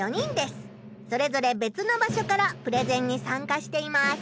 それぞれべつの場所からプレゼンにさんかしています。